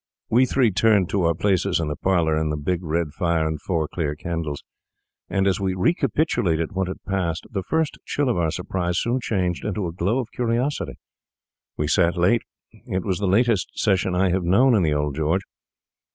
We three turned to our places in the parlour, with the big red fire and four clear candles; and as we recapitulated what had passed, the first chill of our surprise soon changed into a glow of curiosity. We sat late; it was the latest session I have known in the old George.